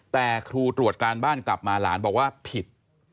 แต่ครูตรวจการบ้านกลับมาหลานบอกว่าผิด